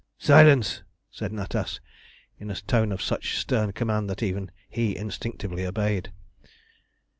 "Silence!" said Natas, in a tone of such stern command that even he instinctively obeyed.